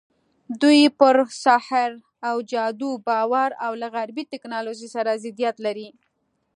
دوی پر سحر او جادو باور او له غربي ټکنالوژۍ سره ضدیت لري.